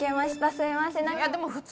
すいません。